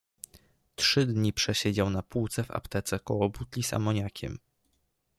Trzy dni przesiedział na półce w aptece koło butli z amoniakiem.